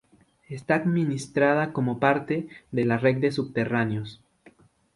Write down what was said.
Está administrada como parte de la red de subterráneos.